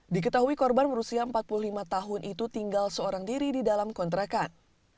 diketahui korban berusia empat puluh lima tahun itu tinggal seorang diri di dalam kontrakan